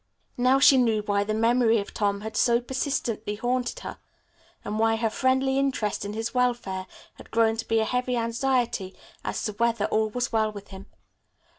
Now she knew why the memory of Tom had so persistently haunted her, and why her friendly interest in his welfare had grown to be a heavy anxiety as to whether all was well with him.